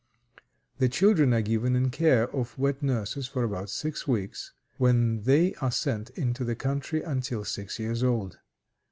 The children are given in care of wet nurses for about six weeks, when they are sent into the country until six years old.